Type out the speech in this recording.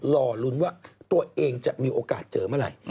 รอลุ้นว่าตัวเองจะมีโอกาสเจอเมื่อไหร่